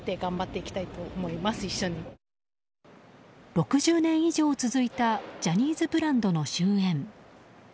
６０年以上続いたジャニーズブランドの終焉。